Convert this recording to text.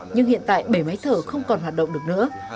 nhưng hiện tại bể máy thở không còn hoạt động được nữa